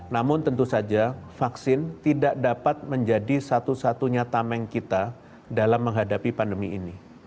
namun tentu saja vaksin tidak dapat menjadi satu satunya tameng kita dalam menghadapi pandemi ini